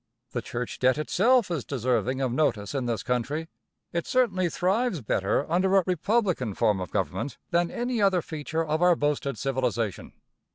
The church debt itself is deserving of notice in this country. It certainly thrives better under a republican form of government than any other feature of our boasted civilization.